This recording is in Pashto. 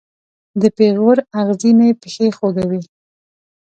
د پیغور اغزې مې پښې خوږوي